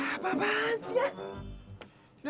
apaan sih ya